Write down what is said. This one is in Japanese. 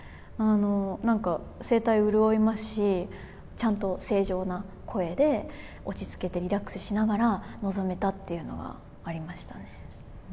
なんか声帯潤いますし、ちゃんと正常な声で、落ち着けてリラックスしながら臨めたっていうのがありましたね。